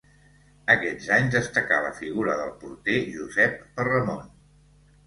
Aquests anys destacà la figura del porter Josep Perramon.